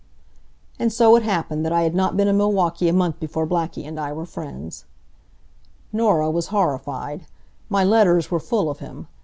And so it happened that I had not been in Milwaukee a month before Blackie and I were friends. Norah was horrified. My letters were full of him.